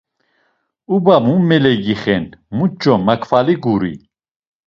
Uba mu meligixen, muç̌o makvali guri.